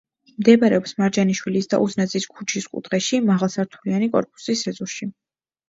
მდებარეობს მარჯანიშვილის და უზნაძის ქუჩის კუთხეში, მაღალსართულიანი კორპუსის ეზოში.